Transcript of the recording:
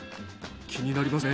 気になりますね。